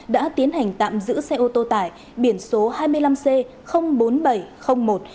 đã tiến hành tạm giữ xe ô tô tải biển số hai mươi năm c